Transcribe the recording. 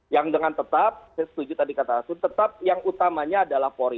yang dengan tetap saya setuju tadi kata asun tetap yang utamanya adalah polri